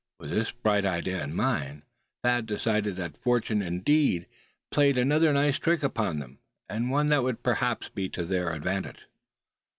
With this bright idea in his mind Thad decided that fortune had indeed played another nice trick upon them, and one that would perhaps be to their advantage.